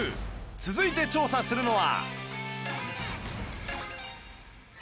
続いて調査するのは